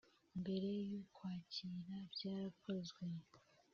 mbere yUkwakira byarakozwe